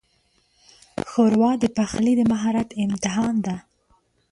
ښوروا د پخلي د مهارت امتحان ده.